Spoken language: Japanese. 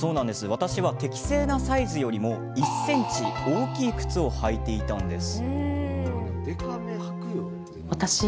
私は適正なサイズより１ｃｍ大きい靴を履いていたんです。